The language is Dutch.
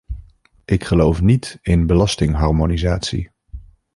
Ik geloof niet in belastingharmonisatie.